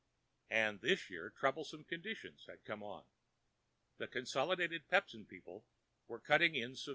And this year troublesome conditions had come on. The Consolidated Pepsin people were cutting in severely.